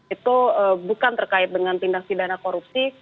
itu bukan terkait dengan tindak pidana korupsi